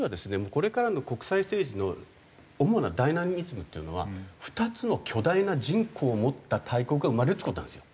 これからの国際政治の主なダイナミズムっていうのは２つの巨大な人口を持った大国が生まれるっていう事なんですよ。